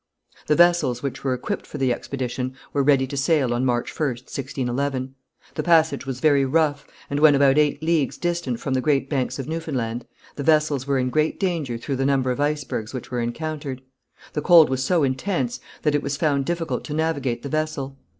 The vessels which were equipped for the expedition were ready to sail on March 1st, 1611. The passage was very rough, and when about eight leagues distant from the Great Banks of Newfoundland, the vessels were in great danger through the number of icebergs which were encountered. The cold was so intense that it was found difficult to navigate the vessel.